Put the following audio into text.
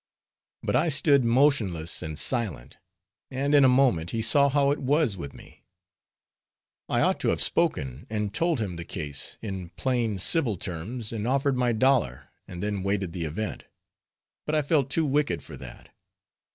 But I stood motionless and silent, and in a moment he saw how it was with me. I ought to have spoken and told him the case, in plain, civil terms, and offered my dollar, and then waited the event. But I felt too wicked for that.